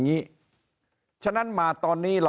สวัสดีครับท่านผู้ชมครับสวัสดีครับท่านผู้ชมครับ